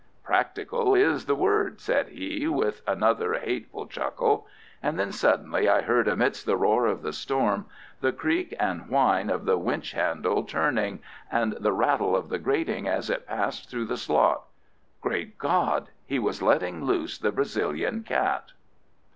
"Practical is the word," said he, with another hateful chuckle. And then suddenly I heard, amidst the roar of the storm, the creak and whine of the winch handle turning, and the rattle of the grating as it passed through the slot. Great God, he was letting loose the Brazilian cat!